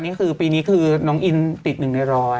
นี่คือปีนี้คือน้องอินติด๑ใน๑๐๐